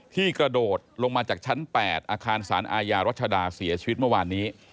กระโดดลงมาจากชั้น๘อาคารสารอาญารัชดาเสียชีวิตเมื่อวานนี้